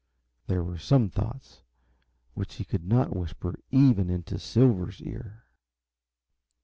There were some thoughts which he could not whisper into even Silver's ear.